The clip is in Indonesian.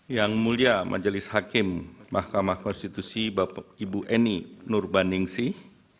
yang mulia majelis hakim mahkamah konstitusi ibu eni nur baningsih